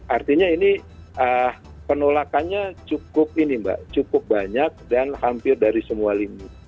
artinya ini penolakannya cukup ini mbak cukup banyak dan hampir dari semua lini